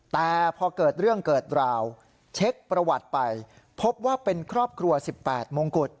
แต่พอเกิดเรื่องเกิดราวเช็คประวัติไปพบว่าเป็นครอบครัว๑๘มงกุฎ